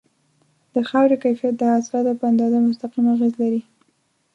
د خاورې کیفیت د حاصلاتو په اندازه مستقیم اغیز لري.